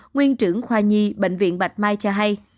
nguyên trưởng khoa nhi bệnh viện bạch mai cho hay